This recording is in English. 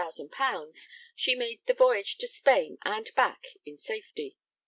_, she made the voyage to Spain and back in safety.